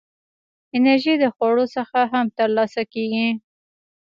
انرژي د خوړو څخه هم ترلاسه کېږي.